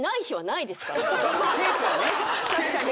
確かに。